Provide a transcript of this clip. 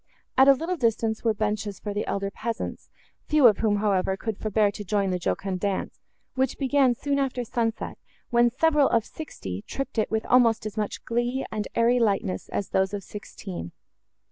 At a little distance, were benches for the elder peasants, few of whom, however, could forbear to join the jocund dance, which began soon after sunset, when several of sixty tripped it with almost as much glee and airy lightness, as those of sixteen.